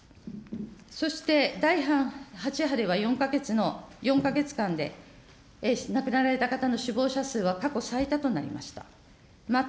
そして第８波では４か月間で亡くなられた方の死亡者数は過去最多となりました。